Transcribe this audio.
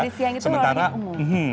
tadi siang itu warna ungu